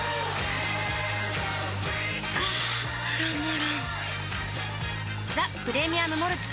あたまらんっ「ザ・プレミアム・モルツ」